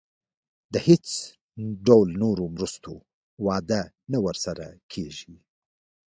د هیڅ ډول نورو مرستو وعده نه ورسره کېږي.